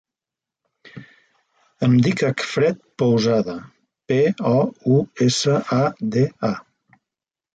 Em dic Acfred Pousada: pe, o, u, essa, a, de, a.